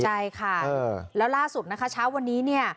ใช่ค่ะแล้วล่าสุดนะคะเช้าวันนี้เนี่ย